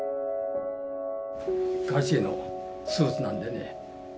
和重のスーツなんでね。